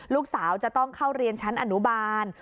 ลูกสาวจะต้องเข้าเรียนชั้นอนุบาล